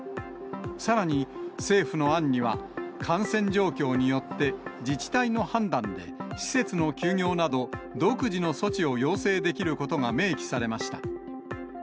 さらに政府の案には、感染状況によって自治体の判断で施設の休業など、独自の措置を要請できることが明記されました。